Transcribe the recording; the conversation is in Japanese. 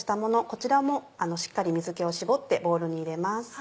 こちらもしっかり水気を絞ってボウルに入れます。